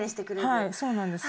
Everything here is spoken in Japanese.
はいそうなんです。